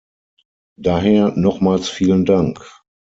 Daher nochmals vielen Dank.